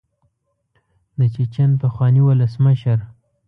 د چیچن پخواني ولسمشر.